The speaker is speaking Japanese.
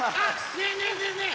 ねえねえねえねえ